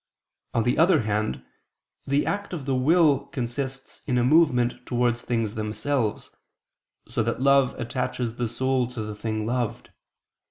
On the other hand, the act of the will consists in a movement towards things themselves, so that love attaches the soul to the thing loved.